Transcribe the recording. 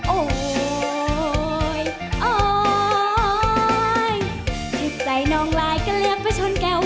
โอ้ยโอ้ยทิศใจน้องหลายกระเลียบไปชนแก้ว